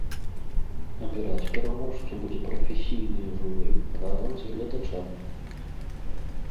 Абіраць пераможцу будзе прафесійнае журы разам з гледачамі.